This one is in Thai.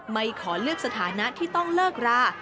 ไม่ขอเลือกสถานะที่ต้องเลิกรา